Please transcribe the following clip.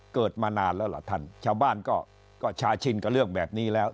เกิดมานานแล้วล่ะท่านชาวบ้านก็ชาชินกับเรื่องแบบนี้แล้ว